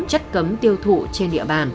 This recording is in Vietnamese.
chất cấm tiêu thụ trên địa bàn